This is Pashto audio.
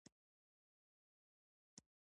تا دا ټول معاینات بشپړ کړه او راپور یې ما ته راوړه